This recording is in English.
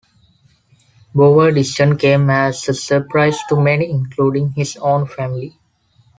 Bower's decision came as a surprise to many, including his own family.